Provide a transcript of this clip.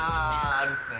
あるっすね。